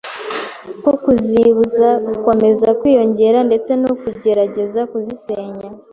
ko kuzibuza gukomeza kwiyongera ndetse no kugerageza kuzisenya.